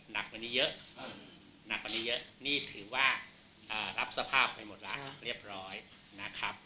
หนักกว่านี้เยอะหนักกว่านี้เยอะนี่ถือว่ารับสภาพไปหมดแล้วเรียบร้อยนะครับ